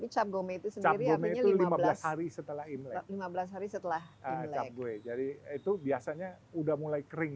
cap gome itu sendiri lima belas hari setelah imlek lima belas hari setelah cap gue jadi itu biasanya udah mulai kering